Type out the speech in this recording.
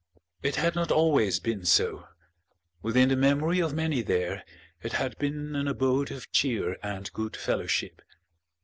It had not always been so. Within the memory of many there it had been an abode of cheer and good fellowship.